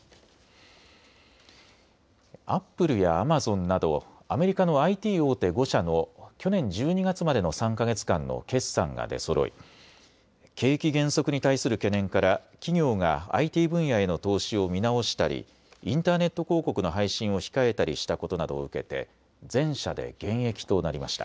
アップルやアマゾンなどアメリカのＩＴ大手５社の去年１２月までの３か月間の決算が出そろい景気減速に対する懸念から企業がＩＴ分野への投資を見直したりインターネット広告の配信を控えたりしたことなどを受けて全社で減益となりました。